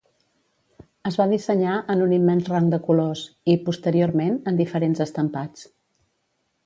Es va dissenyar en un immens rang de colors i, posteriorment, en diferents estampats.